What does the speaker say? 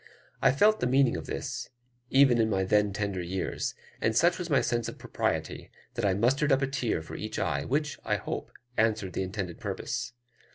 I felt the meaning of this, even in my then tender years; and such was my sense of propriety, that I mustered up a tear for each eye, which, I hope, answered the intended purpose.